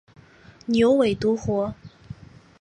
牛尾独活